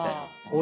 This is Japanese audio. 俺。